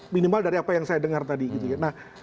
minimal dari apa yang saya dengar tadi gitu ya